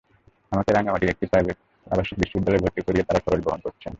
আমাকে রাঙামাটির একটি আবাসিক বিদ্যালয়ে ভর্তি করিয়ে তাঁরা খরচ বহন করছেন।